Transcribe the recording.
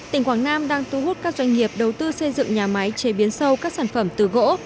tỉnh quảng nam đang thu hút các doanh nghiệp đầu tư xây dựng nhà máy chế biến sâu các sản phẩm từ gỗ